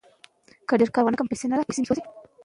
تاسو کولی شئ خپل ژوند بدل کړئ.